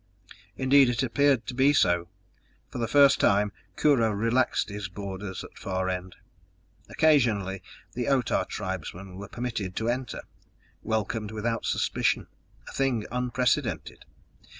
Indeed it appeared to be so! For the first time, Kurho relaxed his borders at Far End. Occasionally the Otah tribesmen were permitted to enter, welcomed without suspicion a thing unprecedented!